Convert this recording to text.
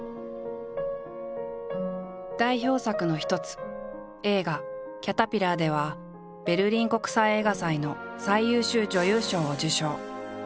代表作の一つ映画「キャタピラー」ではベルリン国際映画祭の最優秀女優賞を受賞。